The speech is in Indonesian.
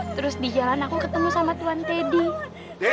terus di jalan aku ketemu sama tuan teddy